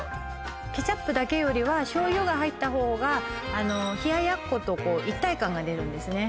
ケチャップだけよりは醤油が入った方が冷奴とこう一体感が出るんですね